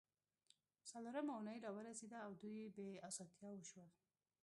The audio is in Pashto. څلورمه اونۍ راورسیده او دوی بې اسانتیاوو شول